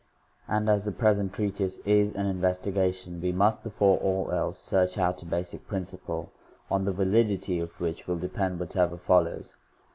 And as the present treatise is an investigation, we must before all else search out a basic principle, on the validity of which will depend whatever fol lows.'